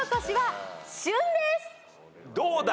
どうだ！？